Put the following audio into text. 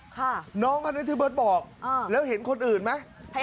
ค่ะน้องคนนี้ที่เบิร์ตบอกอ่าแล้วเห็นคนอื่นไหม